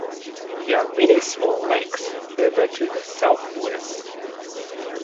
There are many small lakes further to the southwest.